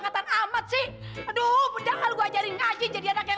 kalau itu juga ada kita